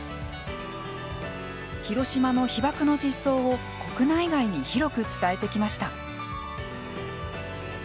広島の被爆の実相を国内外に広く伝えてきました。